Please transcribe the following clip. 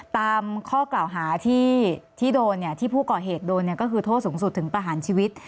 ตามข้อกล่าวหาที่โดนที่ผู้ก่อเหตุโดนก็คือโทษสูงสุดถึงประหารชีวิต